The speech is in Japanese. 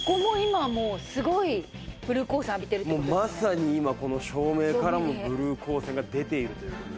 もうまさに今照明からもブルー光線が出ているという。